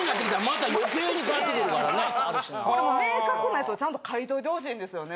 これもう明確なやつをちゃんと書いといてほしいんですよね。